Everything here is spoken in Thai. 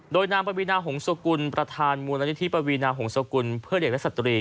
โดยนางปวีนาหงศกุลประธานมูลนิธิปวีนาหงศกุลเพื่อเด็กและสตรี